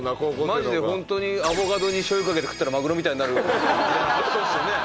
マジでほんとにアボカドにしょうゆかけて食ったらマグロみたいになる発想っすよね。